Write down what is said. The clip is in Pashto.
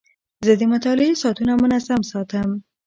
زه د مطالعې ساعتونه منظم ساتم.